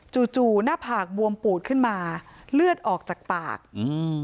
จู่หน้าผากบวมปูดขึ้นมาเลือดออกจากปากอืม